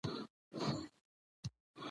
د احمد شاه بابا نوم د ملت په زړونو کې ژوندی دی.